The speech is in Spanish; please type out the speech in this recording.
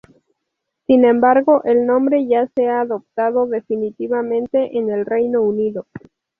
Sin embargo, el nombre ya se ha adoptado definitivamente en el Reino Unido.